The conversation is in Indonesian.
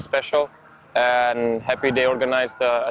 saya senang berada di sini